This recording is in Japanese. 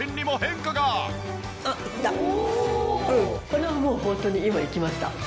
これはもうホントに今いきました。